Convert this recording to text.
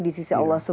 di sisi allah swt